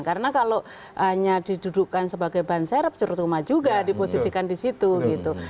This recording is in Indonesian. karena kalau hanya didudukan sebagai bahan serep cerusuma juga diposisikan di situ gitu